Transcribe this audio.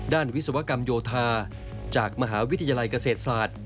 วิศวกรรมโยธาจากมหาวิทยาลัยเกษตรศาสตร์